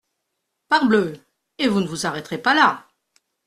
Parbleu ! et vous ne vous arrêterez pas là.